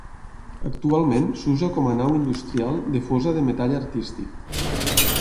Actualment s'usa com a nau industrial de fosa de metall artístic.